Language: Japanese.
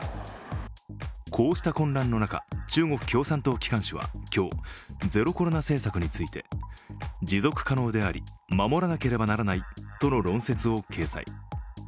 こうした混乱の中、中国共産党機関紙は今日、ゼロコロナ政策について持続可能であり守らなければならないとの論説を掲載。